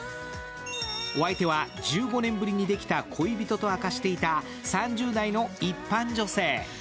お相手は１５年ぶりにできた恋人と明かしていた３０代の一般女性。